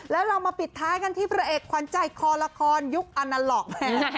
แล้วเรามาปิดท้ายกันที่พระเอกขวัญใจคอละครยุคอนาล็อก